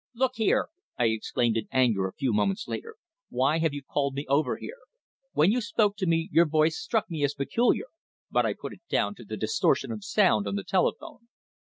"Look here!" I exclaimed in anger a few moments later. "Why have you called me over here? When you spoke to me your voice struck me as peculiar, but I put it down to the distortion of sound on the telephone."